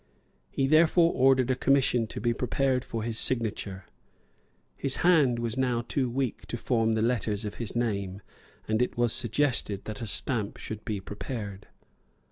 He therefore ordered a commission to be prepared for his signature. His hand was now too weak to form the letters of his name, and it was suggested that a stamp should be prepared.